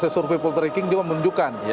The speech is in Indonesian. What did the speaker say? saya survei pultreking juga menunjukkan